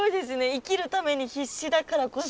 生きるために必死だからこそ。